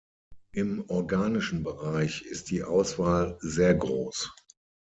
Im organischen Bereich ist die Auswahl sehr groß.